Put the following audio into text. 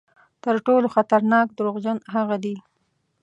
تر ټولو خطرناک دروغجن هغه دي.